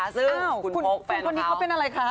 ซึ่งคุณโพกแฟนเค้า